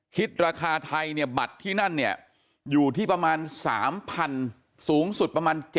คิดราคาไทยเนี่ยบัตรที่นั่นเนี่ยอยู่ที่ประมาณ๓๐๐๐สูงสุดประมาณ๗๐